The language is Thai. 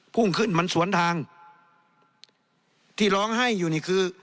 พุ่งขึ้นมันสวนทางที่ร้องไห้อยู่นี่คือ